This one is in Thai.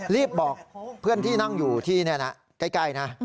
รีบบอกเพื่อนที่นั่งอยู่ที่นี่นะใกล้นะ